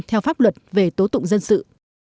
theo pháp luật về tố tụng dân sự